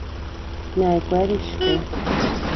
მა̈ჲ გვა̈რიშ ხი?